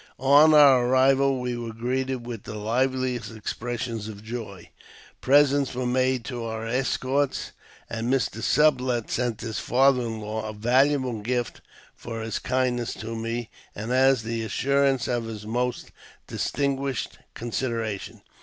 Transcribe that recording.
On our arrival we were greeted with the liveliest expressions of joy. Presents were made to our escorts, and Mr. Sublet sent my father in law a valuable gift for his kindness to me, and as the assurance of his most distinguished consideration.